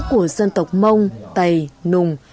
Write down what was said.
của dân tộc mông tày nùng